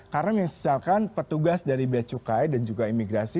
karena misalkan petugas dari belajuka dan juga imigrasi